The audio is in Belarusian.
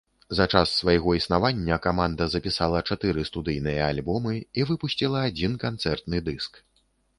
За час свайго існавання каманда запісала чатыры студыйныя альбомы і выпусціла адзін канцэртны дыск.